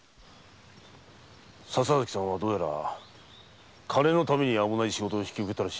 笹崎さんは金のために危ない仕事を引き受けたらしい。